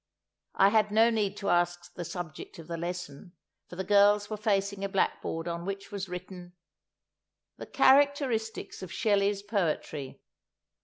I had no need to ask the subject of the lesson, for the girls were facing a blackboard on which was written "The Characteristics of Shelley's Poetry."